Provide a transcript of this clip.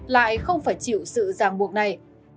lại không phải chịu sự giang buộc này